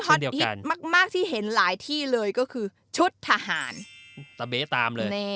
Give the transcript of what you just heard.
ฮิตมากที่เห็นหลายที่เลยก็คือชุดทหารตะเบ๊ตามเลย